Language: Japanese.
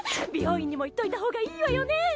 美容院にも行っといたほうがいいわよね。